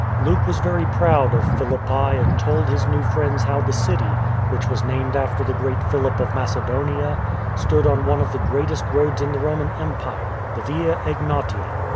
Luke was very proud of Philippi and told his new friends how the city, which was named after the great Philip of Macedonia, stood on one of the greatest roads in the Roman Empire, the Via Egnatia.